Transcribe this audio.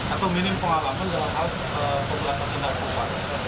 atau minim pengalaman dalam hal pemberantasan narkoba